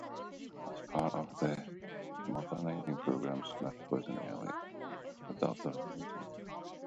As part of his modernizing program, Smith was an early adopter of radio.